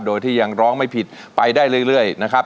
โดยที่ยังร้องไม่ผิดไปได้เรื่อยนะครับ